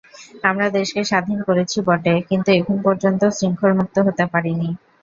আমরা দেশকে স্বাধীন করেছি বটে কিন্তু এখন পর্যন্ত শৃঙ্খলমুক্ত হতে পারিনি।